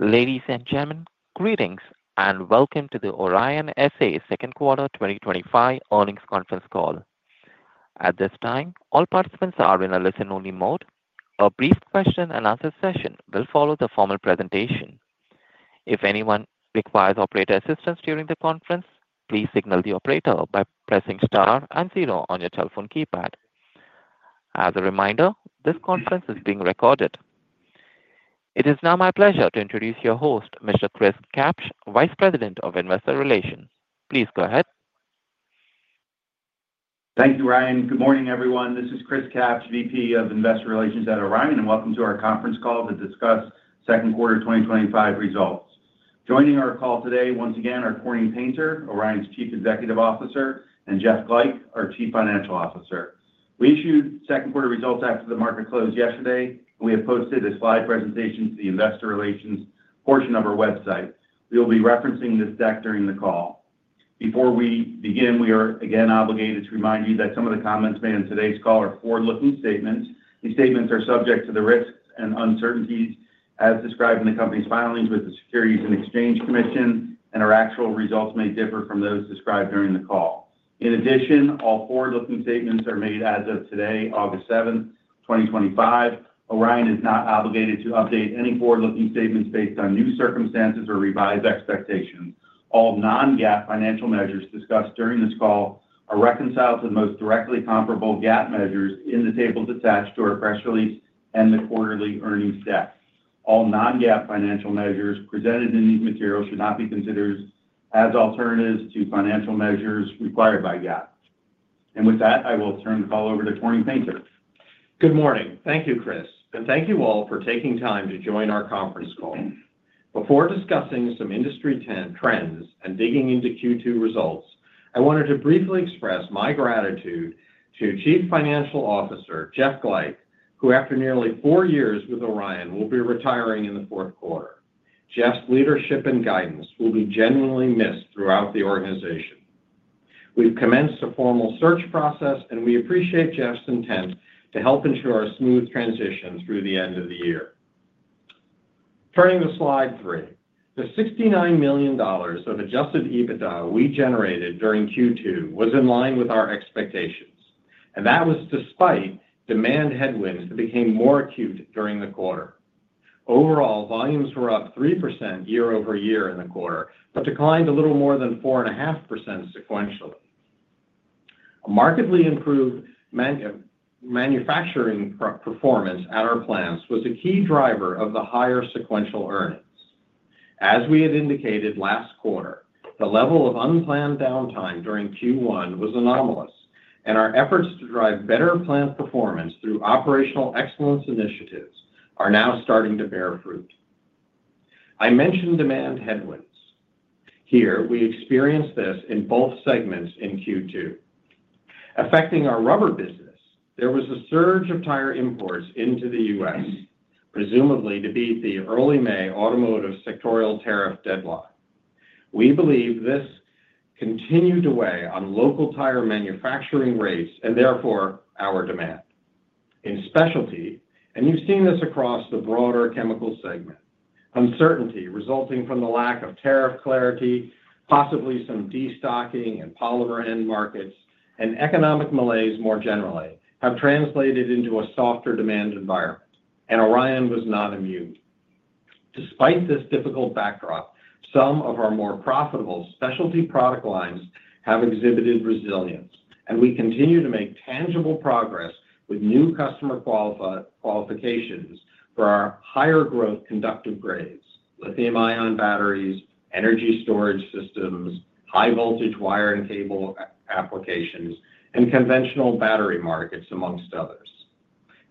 Ladies and gentlemen, greetings and welcome to the Orion S.A. Second Quarter 2025 Earnings Conference Call. At this time, all participants are in a listen-only mode. A brief question and answer session will follow the formal presentation. If anyone requires operator assistance during the conference, please signal the operator by pressing star and zero on your telephone keypad. As a reminder, this conference is being recorded. It is now my pleasure to introduce your host, Mr. Chris Kapsch, Vice President of Investor Relations. Please go ahead. Thank you, Orion. Good morning, everyone. This is Chris Kapsch, VP of Investor Relations at Orion S.A., and welcome to our conference call to discuss second quarter 2025 results. Joining our call today, once again, are Corning Painter, Orion S.A.'s Chief Executive Officer, and Jeff Glajch, our Chief Financial Officer. We issued second quarter results after the market closed yesterday, and we have posted the slide presentation for the investor relations portion of our website. We will be referencing this deck during the call. Before we begin, we are again obligated to remind you that some of the comments made on today's call are forward-looking statements. These statements are subject to the risks and uncertainties as described in the company's filings with the Securities and Exchange Commission, and our actual results may differ from those described during the call. In addition, all forward-looking statements are made as of today, August 7, 2025. Orion is not obligated to update any forward-looking statements based on new circumstances or revised expectations. All non-GAAP financial measures discussed during this call are reconciled to the most directly comparable GAAP measures in the table attached to our press release and the quarterly earnings deck. All non-GAAP financial measures presented in these materials should not be considered as alternatives to financial measures required by GAAP. With that, I will turn the call over to Corning Painter. Good morning. Thank you, Chris, and thank you all for taking time to join our conference call. Before discussing some industry trends and digging into Q2 results, I wanted to briefly express my gratitude to Chief Financial Officer Jeff Glajch, who, after nearly four years with Orion will be retiring in the fourth quarter. Jeff's leadership and guidance will be genuinely missed throughout the organization. We've commenced a formal search process, and we appreciate Jeff's intent to help ensure a smooth transition through the end of the year. Turning to slide three, the $69 million of adjusted EBITDA we generated during Q2 was in line with our expectations, and that was despite demand headwinds that became more acute during the quarter. Overall, volumes were up 3% year-over-year in the quarter, but declined a little more than 4.5% sequentially. Markedly improved manufacturing performance at our plants was a key driver of the higher sequential earnings. As we had indicated last quarter, the level of unplanned downtime during Q1 was anomalous, and our efforts to drive better plant performance through operational excellence initiatives are now starting to bear fruit. I mentioned demand headwinds. Here, we experienced this in both segments in Q2. Affecting our rubber business, there was a surge of tire imports into the U.S., presumably to beat the early May automotive sectorial tariff deadline. We believe this continued to weigh on local tire manufacturing rates and therefore our demand. In specialty, and you've seen this across the broader chemical segment, uncertainty resulting from the lack of tariff clarity, possibly some destocking in polymer end markets, and economic malaise more generally have translated into a softer demand environment, and Orion was not immune. Despite this difficult backdrop, some of our more profitable specialty product lines have exhibited resilience, and we continue to make tangible progress with new customer qualifications for our higher growth conductive grades, lithium-ion batteries, energy storage systems, high-voltage wiring cable applications, and conventional battery markets, amongst others.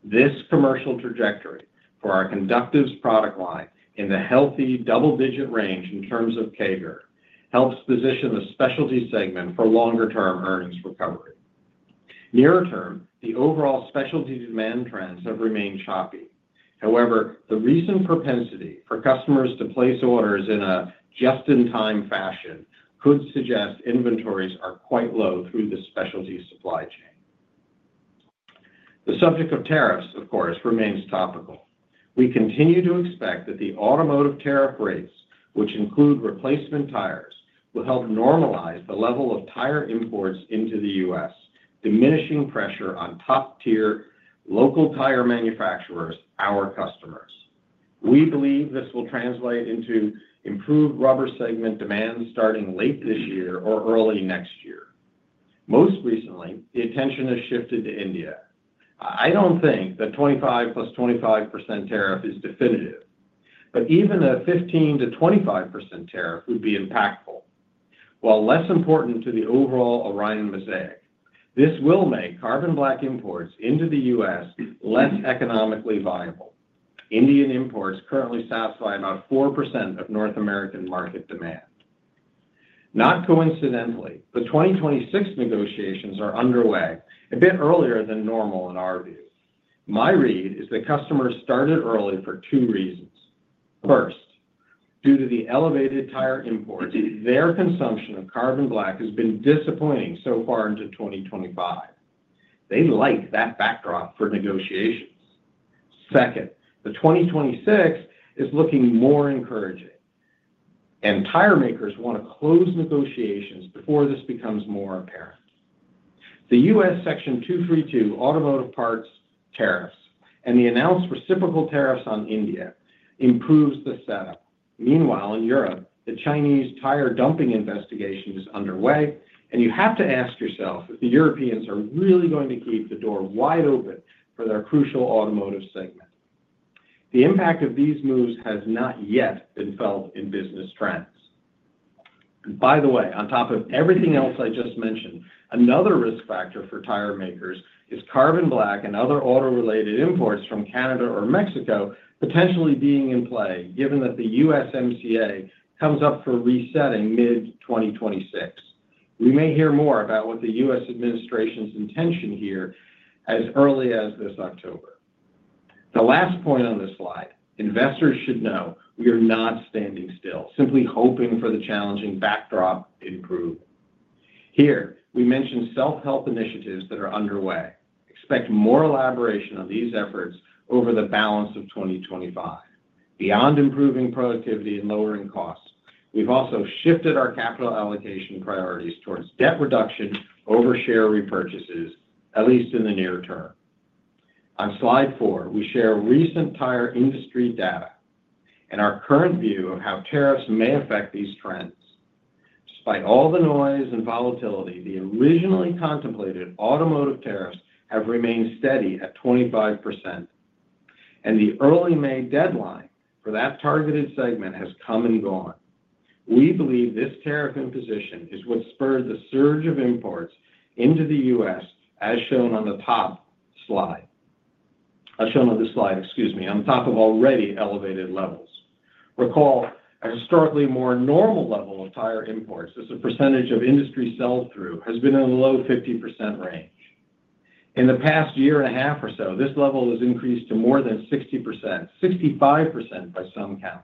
This commercial trajectory for our conductives product line in the healthy double-digit range in terms of CAGR helps position the specialty segment for longer-term earnings recovery. Nearer term, the overall specialty demand trends have remained choppy. However, the recent propensity for customers to place orders in a just-in-time fashion could suggest inventories are quite low through the specialty supply chain. The subject of tariffs, of course, remains topical. We continue to expect that the automotive tariff rates, which include replacement tires, will help normalize the level of tire imports into the U.S., diminishing pressure on top-tier local tire manufacturers, our customers. We believe this will translate into improved rubber segment demand starting late this year or early next year. Most recently, the attention has shifted to India. I don't think the 25%+ 25% tariff is definitive, but even a 15%-25% tariff would be impactful. While less important to the overall Orion mosaic, this will make carbon black imports into the U.S. less economically viable. Indian imports currently satisfy about 4% of North American market demand. Not coincidentally, the 2026 negotiations are underway a bit earlier than normal in our view. My read is that customers started early for two reasons. First, due to the elevated tire imports, their consumption of carbon black has been disappointing so far into 2025. They like that backdrop for negotiation. Second, the 2026 is looking more encouraging, and tire makers want to close negotiations before this becomes more apparent. The U.S. Section 232 automotive parts tariffs and the announced reciprocal tariffs on India improve the setup. Meanwhile, in Europe, the Chinese tire dumping investigation is underway, and you have to ask yourself if the Europeans are really going to keep the door wide open for their crucial automotive segment. The impact of these moves has not yet been felt in business trends. By the way, on top of everything else I just mentioned, another risk factor for tire makers is carbon black and other auto related imports from Canada or Mexico potentially being in play, given that the USMCA comes up for resetting mid-2026. We may hear more about what the U.S. administration's intention here as early as this October. The last point on this slide, investors should know we are not standing still, simply hoping for the challenging backdrop improvement. Here, we mentioned self-help initiatives that are underway. Expect more elaboration on these efforts over the balance of 2025. Beyond improving productivity and lowering costs, we've also shifted our capital allocation priorities towards debt reduction over share repurchases, at least in the near term. On slide four, we share recent tire industry data and our current view of how tariffs may affect these trends. Despite all the noise and volatility, the originally contemplated automotive tariffs have remained steady at 25%, and the early May deadline for that targeted segment has come and gone. We believe this tariff imposition is what spurred the surge of imports into the U.S., as shown on the top slide, on top of already elevated levels. Recall, a historically more normal level of tire imports, this as a percentage of industry sell-through, has been in the low 50% range. In the past year and a half or so, this level has increased to more than 60%, 65% by some counts.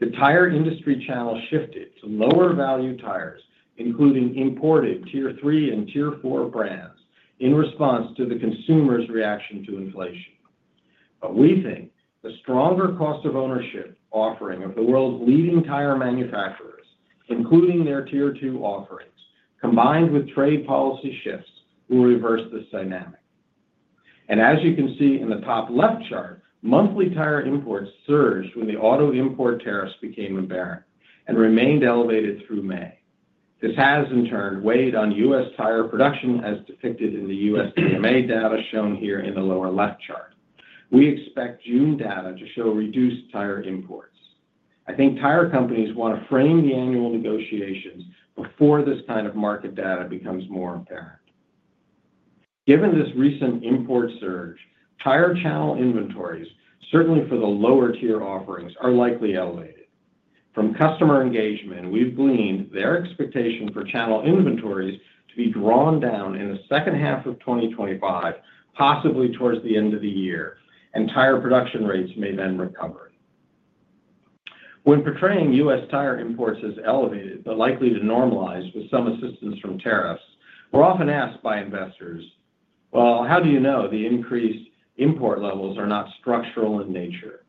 The tire industry channel shifted to lower value tires, including imported Tier 3 and Tier 4 brands, in response to the consumer's reaction to inflation. We think the stronger cost of ownership offering of the world's leading tire manufacturers, including their Tier 2 offerings, combined with trade policy shifts, will reverse this dynamic. As you can see in the top left chart, monthly tire imports surged when the auto import tariffs became aberrant and remained elevated through May. This has, in turn, weighed on U.S. tire production as depicted in the U.S. PMA data shown here in the lower left chart. We expect June data to show reduced tire imports. I think tire companies want to frame the annual negotiations before this kind of market data becomes more apparent. Given this recent import surge, tire channel inventories, certainly for the lower tier offerings, are likely elevated. From customer engagement, we've gleaned their expectation for channel inventories to be drawn down in the second half of 2025, possibly towards the end of the year, and tire production rates may then recover. When portraying U.S. tire imports as elevated, but likely to normalize with some assistance from tariffs, we're often asked by investors, how do you know the increased import levels are not structural in nature?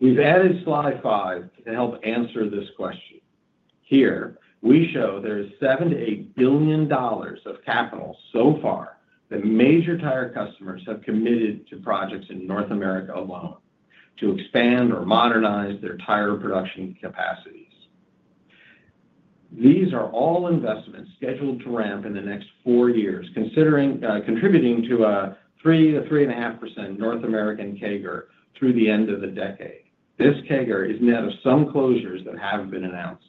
We've added slide five to help answer this question. Here, we show there is $7 billion-$8 billion of capital so far that major tire customers have committed to projects in North America alone to expand or modernize their tire production capacities. These are all investments scheduled to ramp in the next four years, contributing to a 3-3.5% North American CAGR through the end of the decade. This CAGR is net of some closures that have been announced.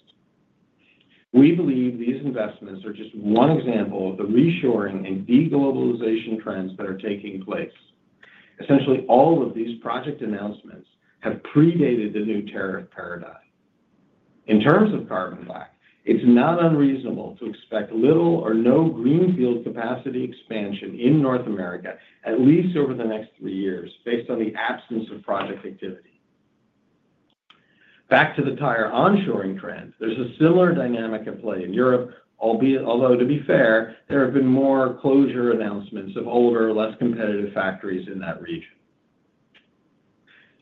We believe these investments are just one example of the reshoring and de-globalization trends that are taking place. Essentially, all of these project announcements have predated the new tariff paradigm. In terms of carbon black, it's not unreasonable to expect little or no greenfield capacity expansion in North America, at least over the next three years, based on the absence of project activity. Back to the tire onshoring trend, there's a similar dynamic at play in Europe, although to be fair, there have been more closure announcements of older, less competitive factories in that region.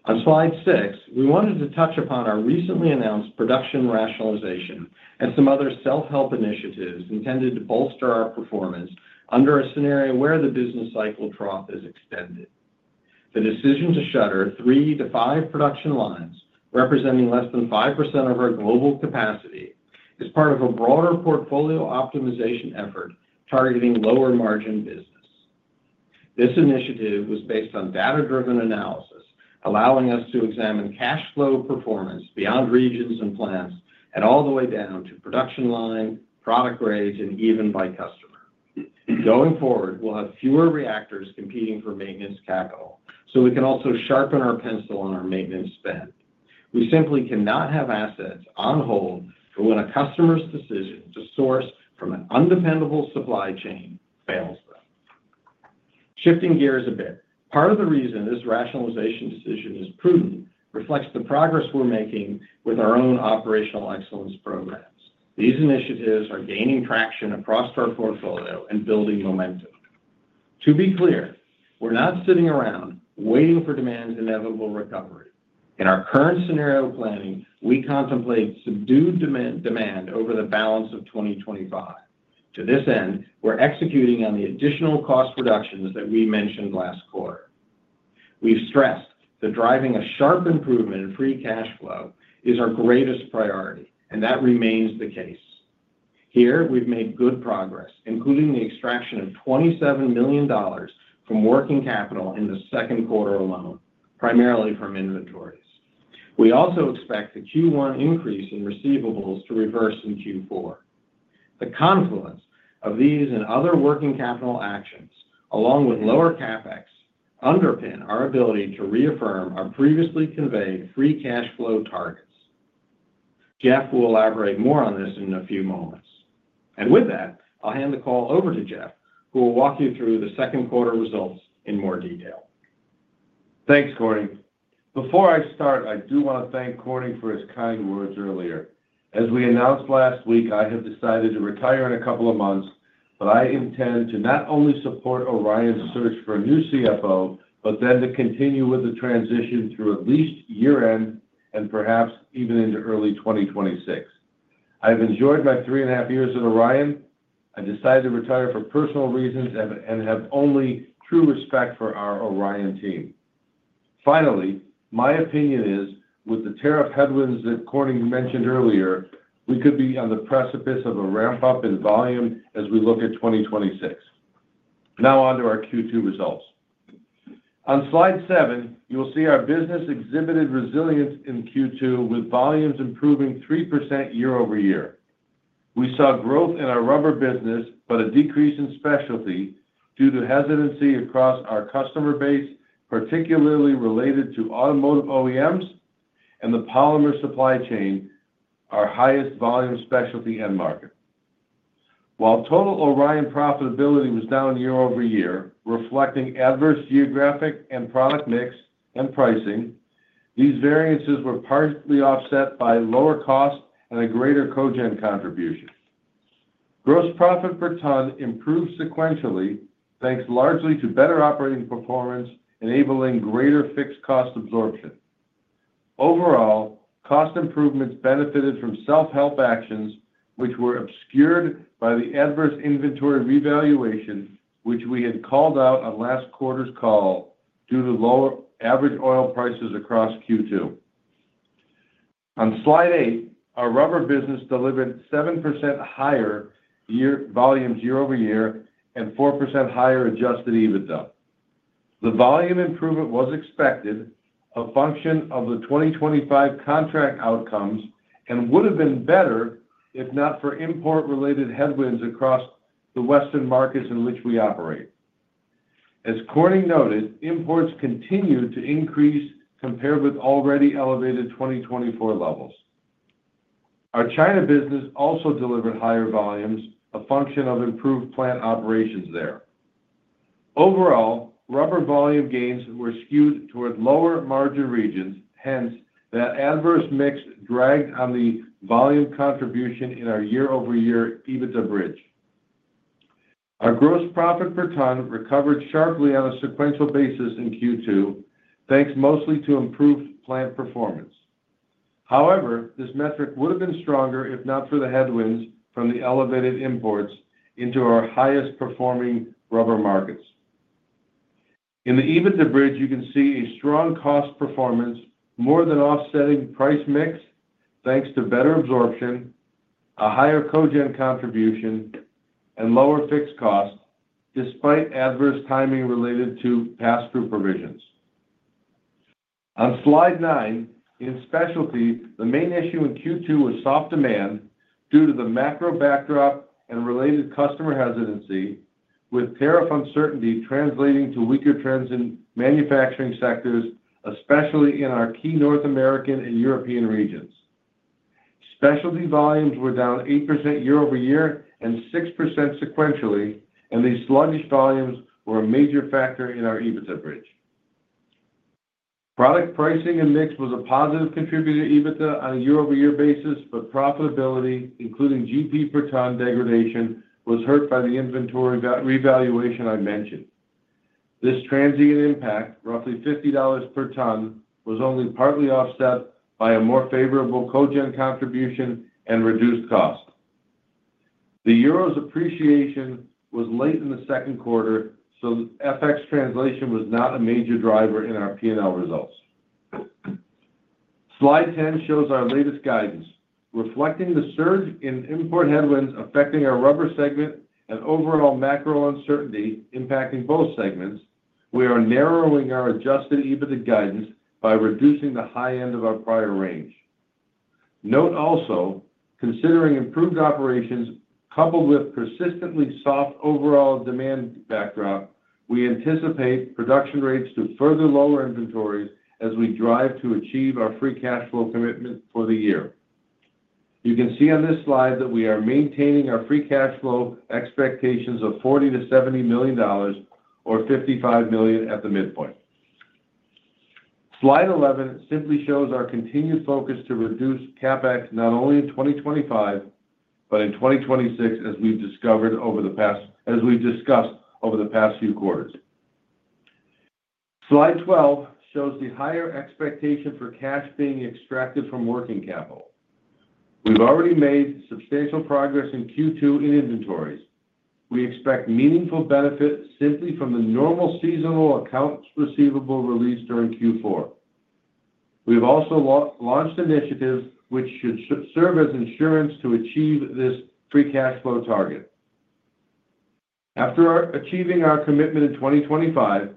On slide six, we wanted to touch upon our recently announced production rationalization and some other self-help initiatives intended to bolster our performance under a scenario where the business cycle trough is extended. The decision to shutter three to five production lines, representing less than 5% of our global capacity, is part of a broader portfolio optimization effort targeting lower margin business. This initiative was based on data-driven analysis, allowing us to examine cash flow performance beyond regions and plants and all the way down to production line, product grade, and even by customer. Going forward, we'll have fewer reactors competing for maintenance capital, so we can also sharpen our pencil on our maintenance spend. We simply cannot have assets on hold for when a customer's decision to source from an undependable supply chain fails them. Shifting gears a bit, part of the reason this rationalization decision is prudent reflects the progress we're making with our own operational excellence initiatives. These initiatives are gaining traction across our portfolio and building momentum. To be clear, we're not sitting around waiting for demand's inevitable recovery. In our current scenario planning, we contemplate subdued demand over the balance of 2025. To this end, we're executing on the additional cost reductions that we mentioned last quarter. We've stressed that driving a sharp improvement in free cash flow is our greatest priority, and that remains the case. Here, we've made good progress, including the extraction of $27 million from working capital in the second quarter alone, primarily from inventories. We also expect a Q1 increase in receivables to reverse in Q4. The confluence of these and other working capital actions, along with lower CapEx, underpins our ability to reaffirm our previously conveyed free cash flow targets. Jeff will elaborate more on this in a few moments. With that, I'll hand the call over to Jeff, who will walk you through the second quarter results in more detail. Thanks, Corning. Before I start, I do want to thank Corning for his kind words earlier. As we announced last week, I have decided to retire in a couple of months, but I intend to not only support Orion's search for a new CFO, but then to continue with the transition through at least year-end and perhaps even into early 2026. I've enjoyed my three and a half years at Orion. I decided to retire for personal reasons and have only true respect for our Orion team. Finally, my opinion is, with the tariff headwinds that Corning mentioned earlier, we could be on the precipice of a ramp-up in volume as we look at 2026. Now on to our Q2 results. On slide seven, you'll see our business exhibited resilience in Q2, with volumes improving 3% year-over-year. We saw growth in our rubber business, but a decrease in specialty due to hesitancy across our customer base, particularly related to automotive OEMs and the polymer supply chain, our highest volume specialty end market. While total Orion profitability was down year-over-year, reflecting adverse geographic and product mix and pricing, these variances were partially offset by lower costs and a greater cogent contribution. Gross profit per ton improved sequentially, thanks largely to better operating performance, enabling greater fixed cost absorption. Overall, cost improvements benefited from self-help actions, which were obscured by the adverse inventory revaluation, which we had called out on last quarter's call due to lower average oil prices across Q2. On slide eight, our rubber business delivered 7% higher year volumes year-over-year and 4% higher adjusted EBITDA. The volume improvement was expected, a function of the 2025 contract outcomes, and would have been better if not for import-related headwinds across the Western markets in which we operate. As Corning noted, imports continue to increase compared with already elevated 2024 levels. Our China business also delivered higher volumes, a function of improved plant operations there. Overall, rubber volume gains were skewed toward lower margin regions, hence the adverse mix dragged on the volume contribution in our year-over-year EBITDA bridge. Our gross profit per ton recovered sharply on a sequential basis in Q2, thanks mostly to improved plant performance. However, this metric would have been stronger if not for the headwinds from the elevated imports into our highest performing rubber markets. In the EBITDA bridge, you can see a strong cost performance, more than offsetting price mix, thanks to better absorption, a higher cogent contribution, and lower fixed costs, despite adverse timing related to pass-through provisions. On slide nine, in specialty, the main issue in Q2 was soft demand due to the macro backdrop and related customer hesitancy, with tariff uncertainty translating to weaker trends in manufacturing sectors, especially in our key North American and European regions. Specialty volumes were down 8% year-over-year and 6% sequentially, and these sluggish volumes were a major factor in our EBITDA bridge. Product pricing and mix was a positive contributor to EBITDA on a year-over-year basis, but profitability, including GP per ton degradation, was hurt by the inventory revaluation I mentioned. This transient impact, roughly $50 per ton, was only partly offset by a more favorable cogent contribution and reduced cost. The euro's appreciation was late in the second quarter, so FX translation was not a major driver in our P&L results. Slide 10 shows our latest guidance, reflecting the surge in import headwinds affecting our rubber segment and overall macro uncertainty impacting both segments. We are narrowing our adjusted EBITDA guidance by reducing the high end of our prior range. Note also, considering improved operations coupled with persistently soft overall demand backdrop, we anticipate production rates to further lower inventories as we drive to achieve our free cash flow commitment for the year. You can see on this slide that we are maintaining our free cash flow expectations of $40 million-$70 million or $55 million at the midpoint. Slide 11 simply shows our continued focus to reduce CapEx not only in 2025, but in 2026, as we've discussed over the past few quarters. Slide 12 shows the higher expectation for cash being extracted from working capital. We've already made substantial progress in Q2 in inventories. We expect meaningful benefit simply from the normal seasonal accounts receivable release during Q4. We've also launched initiatives which should serve as insurance to achieve this free cash flow target. After achieving our commitment in 2025,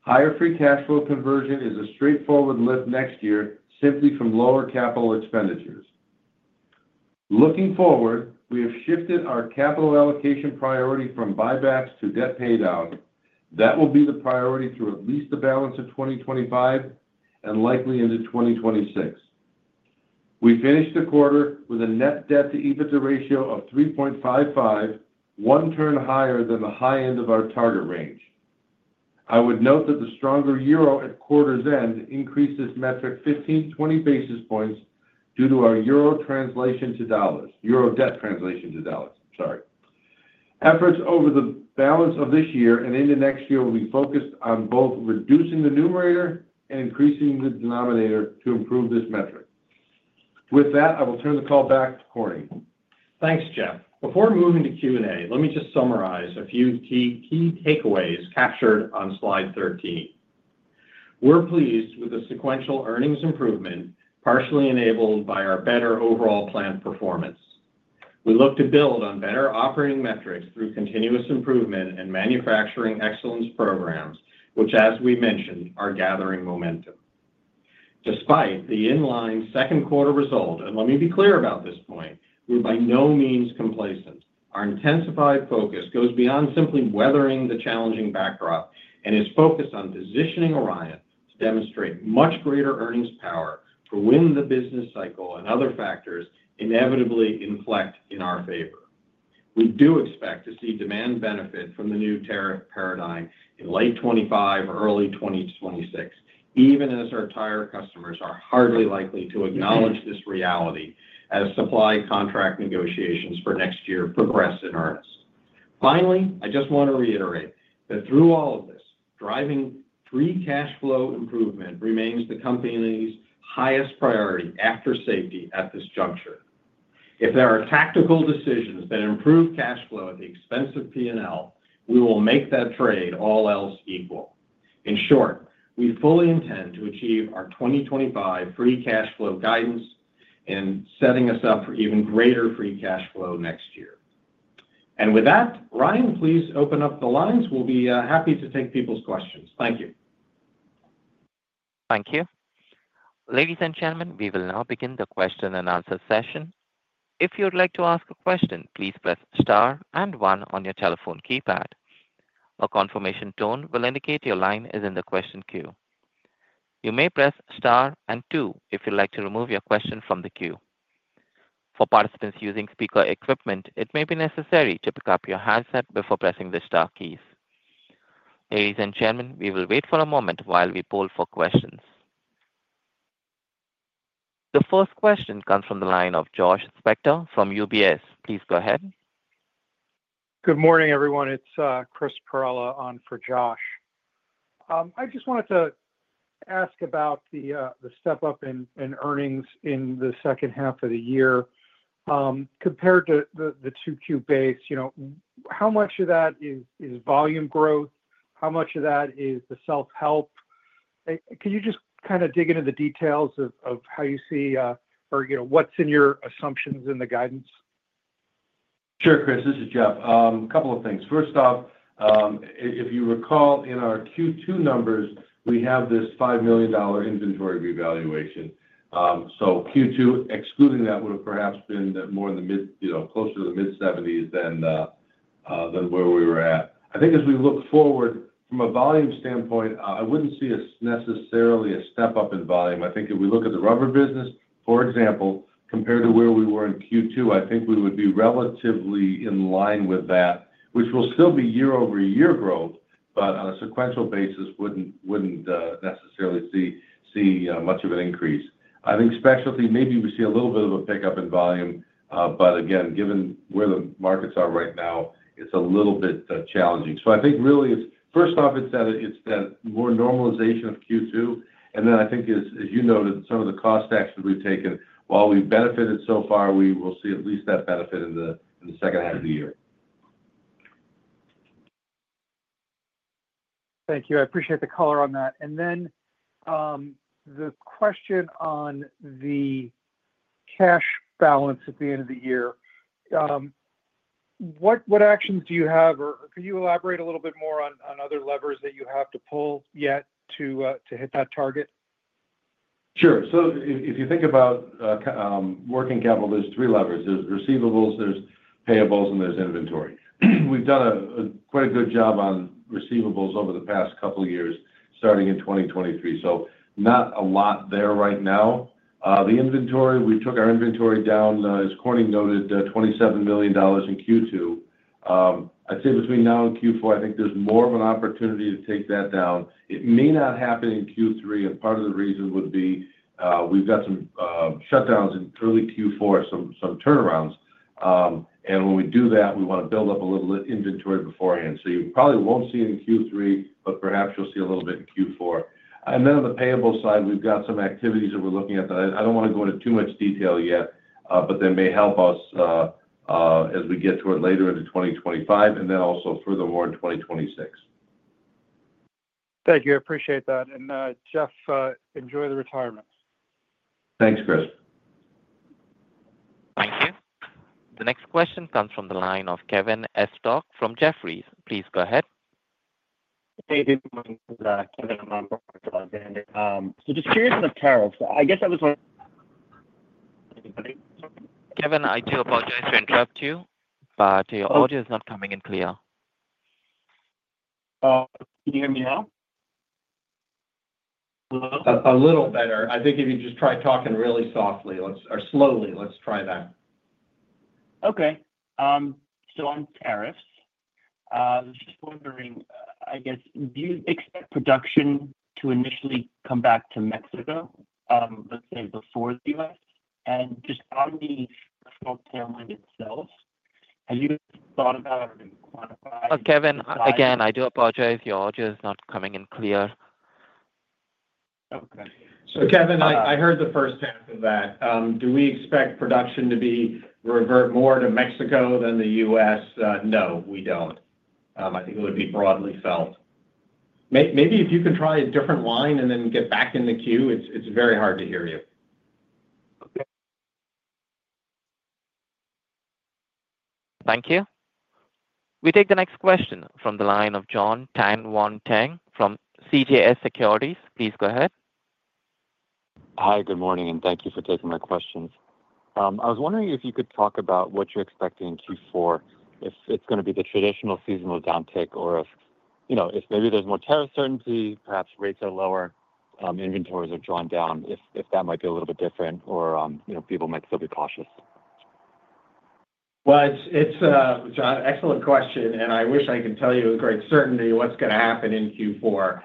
higher free cash flow conversion is a straightforward lift next year, simply from lower capital expenditures. Looking forward, we have shifted our capital allocation priority from buybacks to debt paid out. That will be the priority through at least the balance of 2025 and likely into 2026. We finished the quarter with a net debt to EBITDA ratio of 3.55, one turn higher than the high end of our target range. I would note that the stronger euro at quarter's end increased this metric 15-20 basis points due to our euro translation to dollars, euro debt translation to dollars, sorry. Efforts over the balance of this year and into next year will be focused on both reducing the numerator and increasing the denominator to improve this metric. With that, I will turn the call back to Corning. Thanks, Jeff. Before moving to Q&A, let me just summarize a few key takeaways captured on slide 13. We're pleased with the sequential earnings improvement, partially enabled by our better overall plant performance. We look to build on better operating metrics through continuous improvement and manufacturing excellence programs, which, as we mentioned, are gathering momentum. Despite the inline second quarter result, and let me be clear about this point, we're by no means complacent. Our intensified focus goes beyond simply weathering the challenging backdrop and is focused on positioning Orion to demonstrate much greater earnings power for when the business cycle and other factors inevitably inflect in our favor. We do expect to see demand benefit from the new tariff paradigm in late 2025 or early 2026, even as our tire customers are hardly likely to acknowledge this reality as supply contract negotiations for next year progress in earnest. Finally, I just want to reiterate that through all of this, driving free cash flow improvement remains the company's highest priority after safety at this juncture. If there are tactical decisions that improve cash flow at the expense of P&L, we will make that trade, all else equal. In short, we fully intend to achieve our 2025 free cash flow guidance and setting us up for even greater free cash flow next year. With that, Orion, please open up the lines. We'll be happy to take people's questions. Thank you. Thank you. Ladies and gentlemen, we will now begin the question and-answer session. If you would like to ask a question, please press star and one on your telephone keypad. A confirmation tone will indicate your line is in the question queue. You may press star and two if you'd like to remove your question from the queue. For participants using speaker equipment, it may be necessary to pick up your headset before pressing the star keys. Ladies and gentlemen, we will wait for a moment while we poll for questions. The first question comes from the line of Josh Spector from UBS. Please go ahead. Good morning, everyone. It's Chris Kapsch on for Josh Spector. I just wanted to ask about the step up in earnings in the second half of the year. Compared to the Q2 base, how much of that is volume growth? How much of that is the self-help? Can you dig into the details of how you see, or what's in your assumptions in the guidance? Sure, Chris. This is Jeff. A couple of things. First off, if you recall, in our Q2 numbers, we have this $5 million inventory revaluation. Q2, excluding that, would have perhaps been more in the mid, you know, closer to the mid-70s than where we were at. I think as we look forward, from a volume standpoint, I wouldn't see necessarily a step up in volume. If we look at the rubber business, for example, compared to where we were in Q2, I think we would be relatively in line with that, which will still be year-over-year growth, but on a sequential basis, wouldn't necessarily see much of an increase. I think specialty, maybe we see a little bit of a pickup in volume, but again, given where the markets are right now, it's a little bit challenging. I think really, it's first off, it's that more normalization of Q2. I think, as you noted, some of the cost actions we've taken, while we've benefited so far, we will see at least that benefit in the second half of the year. Thank you. I appreciate the color on that. The question on the cash balance at the end of the year, what actions do you have, or could you elaborate a little bit more on other levers that you have to pull yet to hit that target? Sure. If you think about working capital, there's three levers: there's receivables, there's payables, and there's inventory. We've done quite a good job on receivables over the past couple of years, starting in 2023, so not a lot there right now. The inventory, we took our inventory down, as Corning noted, $27 million in Q2. I'd say between now and Q4, I think there's more of an opportunity to take that down. It may not happen in Q3, and part of the reason would be we've got some shutdowns in early Q4, some turnarounds. When we do that, we want to build up a little inventory beforehand. You probably won't see it in Q3, but perhaps you'll see a little bit in Q4. On the payable side, we've got some activities that we're looking at that I don't want to go into too much detail yet, but that may help us as we get toward later into 2025 and then also furthermore in 2026. Thank you. I appreciate that. Jeff, enjoy the retirement. Thanks, Chris. Thank you. The next question comes from the line of Kevin Estock from Jefferies. Please go ahead. Hey, everyone. Kevin in my moment. Just curious on the tariffs. I guess I was wondering. Kevin, I do apologize to interrupt you, but your audio is not coming in clear. Can you hear me now? Hello? A little better. I think if you just try talking really softly or slowly, let's try that. Okay, on tariffs, I was just wondering, do you expect production to initially come back to Mexico before the U.S.? Does that mean it's for itself? Kevin, again, I do apologize. Your audio is not coming in clear. Okay. Kevin, I heard the first half of that. Do we expect production to revert more to Mexico than the U.S.? No, we don't. I think it would be broadly felt. Maybe if you can try a different line and then get back in the queue, it's very hard to hear you. Thank you. We take the next question from the line of John Tan Wan Teng from CJS Securities. Please go ahead. Hi, good morning, and thank you for taking my question. I was wondering if you could talk about what you're expecting in Q4, if it's going to be the traditional seasonal downtick, or if maybe there's more tariff certainty, perhaps rates are lower, inventories are drawn down, if that might be a little bit different, or people might still be cautious. John, excellent question, and I wish I could tell you with great certainty what's going to happen in Q4.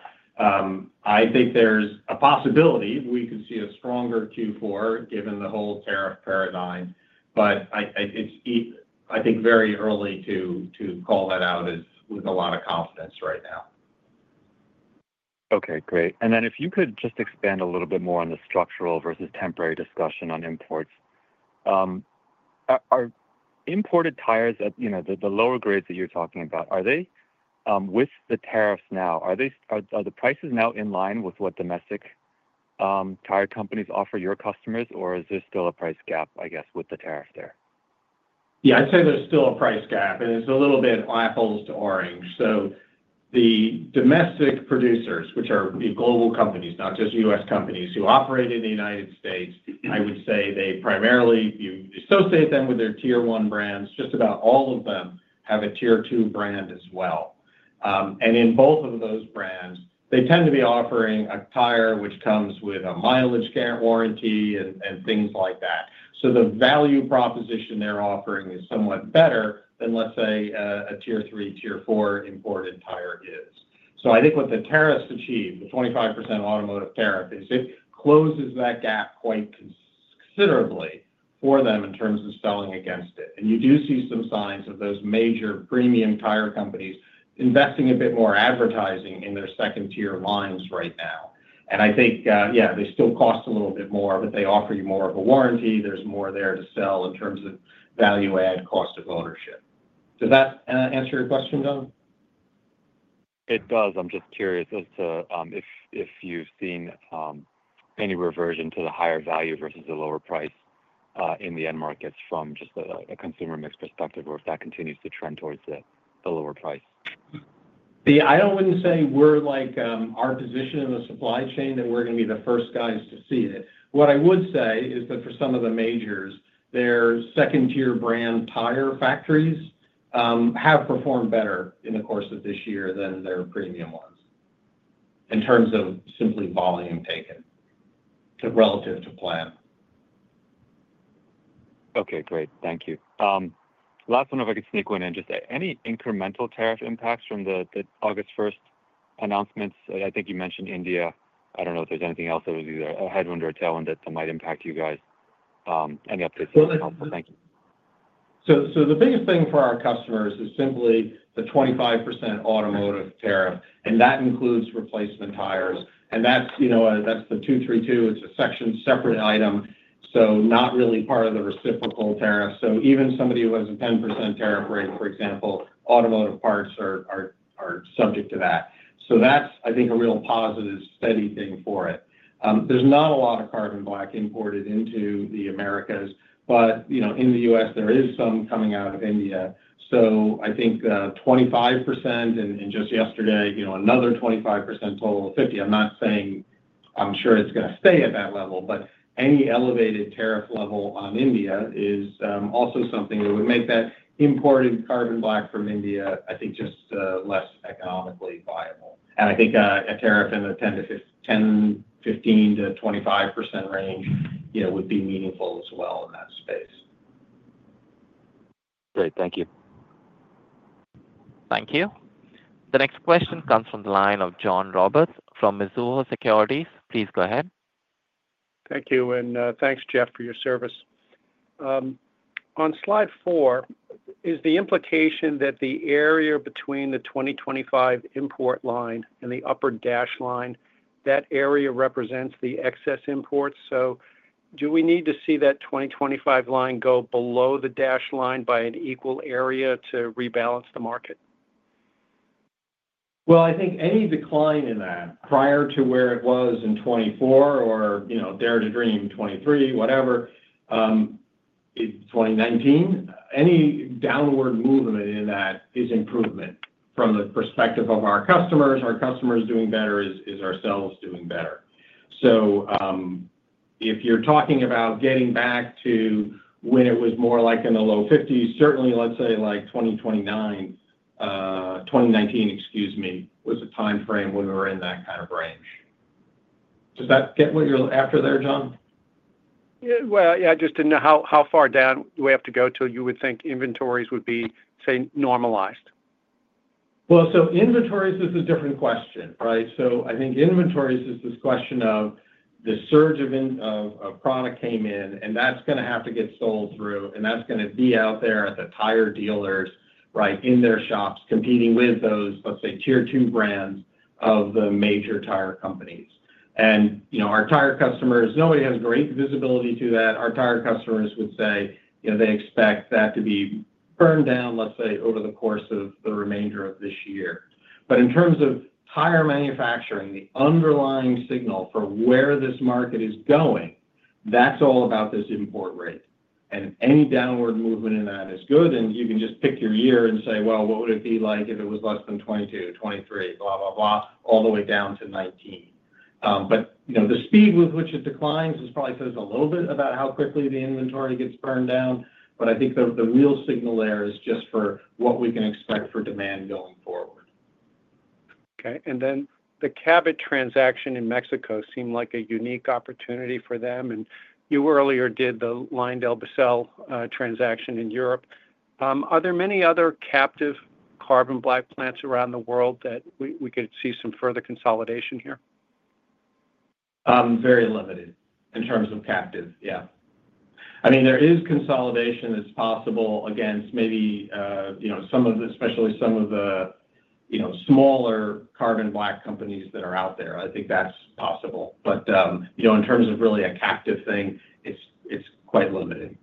I think there's a possibility we could see a stronger Q4 given the whole tariff paradigm, but I think it's very early to call that out with a lot of confidence right now. Okay, great. If you could just expand a little bit more on the structural versus temporary discussion on imports. Are imported tires, you know, the lower grades that you're talking about, with the tariffs now, are the prices now in line with what domestic tire companies offer your customers, or is there still a price gap with the tariff there? Yeah, I'd say there's still a price gap, and it's a little bit apples to orange. The domestic producers, which are global companies, not just U.S. companies who operate in the United States, I would say they primarily, you associate them with their tier one brands. Just about all of them have a tier two brand as well. In both of those brands, they tend to be offering a tire which comes with a mileage guarantee and things like that. The value proposition they're offering is somewhat better than, let's say, a tier three, tier four imported tire is. I think what the tariffs achieve, the 25% automotive tariff, is it closes that gap quite considerably for them in terms of selling against it. You do see some signs of those major premium tire companies investing a bit more advertising in their second-tier lines right now. I think, yeah, they still cost a little bit more, but they offer you more of a warranty. There's more there to sell in terms of value-add cost of ownership. Does that answer your question, John? It does. I'm just curious as to if you've seen any reversion to the higher value versus the lower price in the end markets from just a consumer mix perspective, or if that continues to trend towards the lower price. I wouldn't say we're like our position in the supply chain that we're going to be the first guys to see it. What I would say is that for some of the majors, their second-tier brand tire factories have performed better in the course of this year than their premium ones. In terms of simply volume taken, relative to plan. Okay, great. Thank you. Last one, if I could sneak one in, just any incremental tariff impacts from the August 1st announcements? I think you mentioned India. I don't know if there's anything else that would be a headwind or tailwind that might impact you guys. Any updates? The biggest thing for our customers is simply the 25% automotive tariff, and that includes replacement tires. That's the 232. It's a Section 232 item, so not really part of the reciprocal tariff. Even somebody who has a 10% tariff rate, for example, automotive parts are subject to that. I think that's a real positive, steady thing for it. There's not a lot of carbon black imported into the Americas, but in the U.S., there is some coming out of India. I think the 25%, and just yesterday, another 25% for a total of 50%. I'm not saying I'm sure it's going to stay at that level, but any elevated tariff level on India is also something that would make that imported carbon black from India just less economically viable. I think a tariff in the 10%-15%, 10%-25% range would be meaningful as well in that space. Great. Thank you. Thank you. The next question comes from the line of John Roberts from Mizuho Securities. Please go ahead. Thank you, and thanks, Jeff, for your service. On slide four, is the implication that the area between the 2025 import line and the upper dash line, that area represents the excess imports? Do we need to see that 2025 line go below the dash line by an equal area to rebalance the market? I think any decline in that prior to where it was in 2024 or, you know, dare to dream 2023, whatever, 2019, any downward movement in that is improvement from the perspective of our customers. Our customers doing better is ourselves doing better. If you're talking about getting back to when it was more like in the low 50s, certainly, let's say like 2019, excuse me, was a timeframe when we were in that kind of range. Did that get what you're after there, John? I just didn't know how far down we have to go till you would think inventories would be, say, normalized. Inventories is a different question, right? I think inventories is this question of the surge of product came in, and that's going to have to get sold through, and that's going to be out there at the tire dealers, right, in their shops, competing with those, let's say, tier two brands of the major tire companies. You know, our tire customers, nobody has great visibility to that. Our tire customers would say, you know, they expect that to be turned down, let's say, over the course of the remainder of this year. In terms of tire manufacturing, the underlying signal for where this market is going, that's all about this import rate. Any downward movement in that is good, and you can just pick your year and say, what would it be like if it was less than 2022, 2023, blah, blah, blah, all the way down to 2019? The speed with which it declines probably says a little bit about how quickly the inventory gets burned down. I think the real signal there is just for what we can expect for demand going forward. Okay. The Cabot transaction in Mexico seemed like a unique opportunity for them. You earlier did the LyondellBasell transaction in Europe. Are there many other captive carbon black plants around the world that we could see some further consolidation here? Very limited in terms of captive, yeah. I mean, there is consolidation that's possible against maybe some of the, especially some of the smaller carbon black companies that are out there. I think that's possible. In terms of really a captive thing, it's quite limited.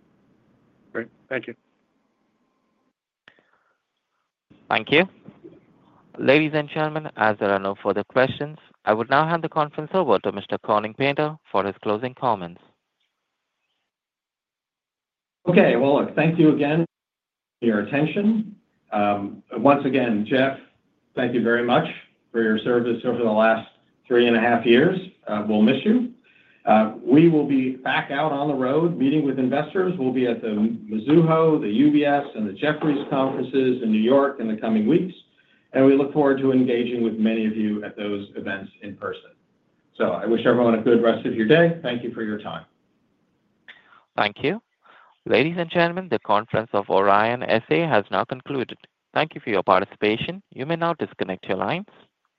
Great. Thank you. Thank you. Ladies and gentlemen, as there are no further questions, I would now hand the conference over to Mr. Corning Painter for his closing comments. Thank you again for your attention. Once again, Jeff, thank you very much for your service over the last three and a half years. We'll miss you. We will be back out on the road meeting with investors. We'll be at the Mizuho, UBS, and Jefferies conferences in New York in the coming weeks. We look forward to engaging with many of you at those events in person. I wish everyone a good rest of your day. Thank you for your time. Thank you. Ladies and gentlemen, the conference of Orion S.A. has now concluded. Thank you for your participation. You may now disconnect your lines.